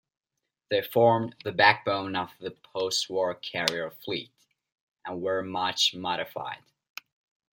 They formed the backbone of the postwar carrier fleet, and were much modified.